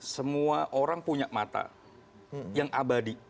semua orang punya mata yang abadi